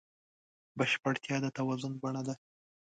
بشپړتیا د توازن بڼه ده.